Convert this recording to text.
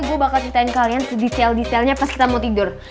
gue bakal ceritain kalian sedetail detailnya pas kita mau tidur